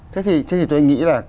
thế thì tôi nghĩ là